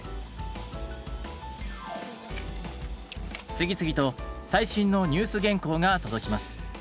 次々と最新のニュース原稿が届きます。